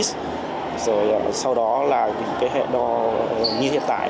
sau đó là hệ đo như hiện tại